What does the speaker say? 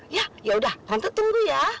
ya yaudah nanti tunggu ya